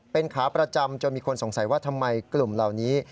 เป็นขาประจำจนมีคนสงสัยว่าทำไมกลุ่มเหล่านี้